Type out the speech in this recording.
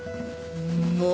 もう！